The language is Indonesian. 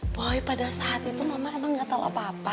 boy pada saat itu mama emang gak tau apa apa